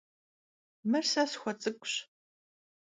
Mır se sxuets'ık'uş.